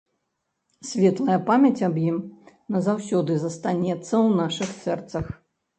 Светлая памяць аб ім назаўсёды застанецца ў нашых сэрцах.